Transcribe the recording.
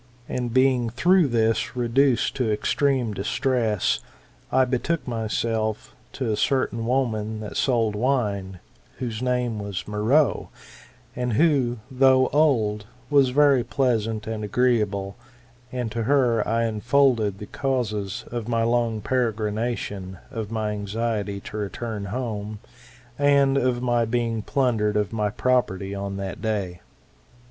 And being through this reduced to extreme distress, I betook myself to a certain woman that sold wine, whose name was Meroe, and who, though old, was very pleasant and agreeable: and to her I unfolded the causes of my long peregrination, of my anxiety to return home, and of my being plundered of my property on that day.